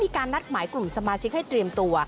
การนัดหมายกลุ่มสมาชิกให้เตรียมตัว